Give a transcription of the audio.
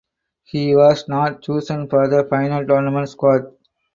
He was not chosen for the final tournament squad.